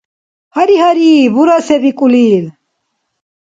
– Гьари-гьари, бура се бикӀулил.